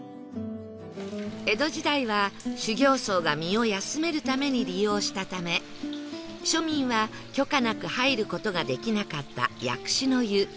江戸時代は修行僧が身を休めるために利用したため庶民は許可なく入る事ができなかった薬師の湯